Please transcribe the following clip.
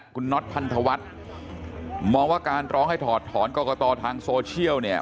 คุณน็อตพันธวัฒน์มองว่าการร้องให้ถอดถอนกรกตทางโซเชียลเนี่ย